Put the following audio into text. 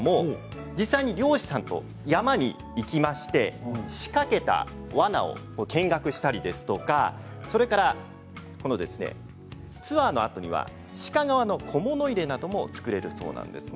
実際に猟師さんと山に行って仕掛けたわなを見学したりツアーのあとには鹿革の小物入れなども作れるそうです。